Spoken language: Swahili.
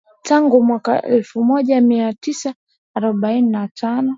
Tangu mwaka wa elfu moja mia tisa arobaini na tano